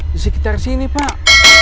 di sekitar sini pak